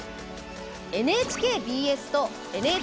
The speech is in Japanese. ＮＨＫＢＳとＮＨＫＢＳ